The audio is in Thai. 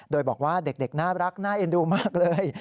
โดยบอกว่าเด็กน่ารักน่าเอ็นดูมากเลย